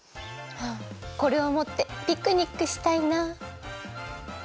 あこれをもってピクニックしたいな。